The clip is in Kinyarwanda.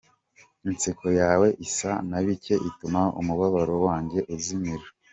Inseko yawe isa nabike ituma umubabaro wanjye uzimira.